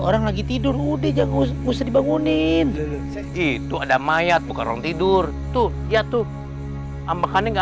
orang lagi tidur udah jangan usah dibangunin gitu ada mayat bukan orang tidur tuh ya tuh amakannya nggak